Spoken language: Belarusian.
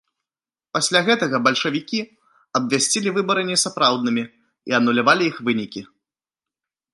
Пасля гэтага бальшавікі абвясцілі выбары несапраўднымі і анулявалі іх вынікі.